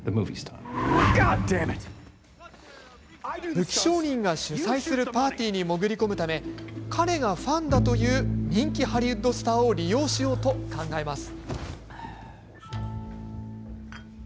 武器商人が主催するパーティーに潜り込むため彼がファンだという人気ハリウッドスターを利用しようと考えます。